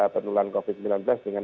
penularan covid sembilan belas dengan